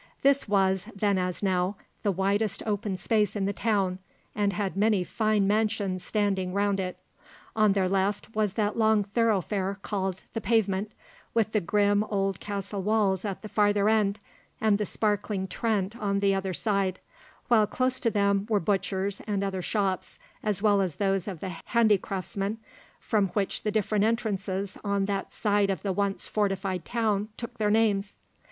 This was, then as now, the widest open space in the town, and had many fine mansions standing round it. On their left was that long thoroughfare called the Pavement, with the grim old castle walls at the farther end, and the sparkling Trent on the other side; while close to them were butchers' and other shops, as well as those of the handicraftsmen, from which the different entrances on that side of the once fortified town took their names.